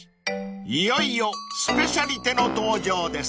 ［いよいよスペシャリテの登場です］